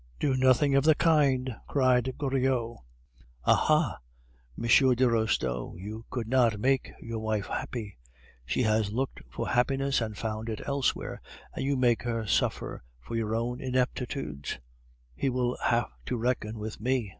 '" "Do nothing of the kind!" cried Goriot. "Aha! M. de Restaud, you could not make your wife happy; she has looked for happiness and found it elsewhere, and you make her suffer for your own ineptitude? He will have to reckon with me.